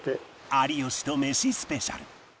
「有吉とメシ」スペシャル